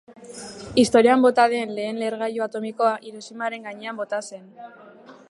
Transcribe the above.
Historian bota den lehen lehergailu atomikoa Hiroshimaren gainean bota zen.